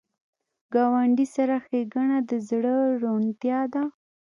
ګاونډي سره ښېګڼه د زړه روڼتیا ده